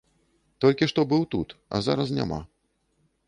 Толькі што быў тут, а зараз няма.